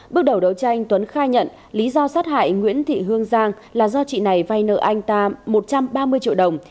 bước đầu đấu tranh tuấn khai nhận lý do sát hại nguyễn thị hương giang là do chị này vay nợ anh ta một trăm ba mươi triệu đồng